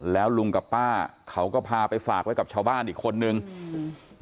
แล้วลุงกับป้าเขาก็พาไปฝากไว้กับชาวบ้านอีกคนนึงอืม